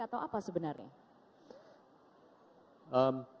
atau apa sebenarnya